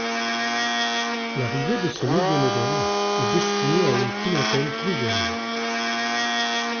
L'arrivée de ce nouveau modèle est destiné à une clientèle plus jeune.